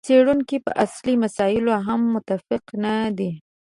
څېړونکي په اصلي مسایلو هم متفق نه دي.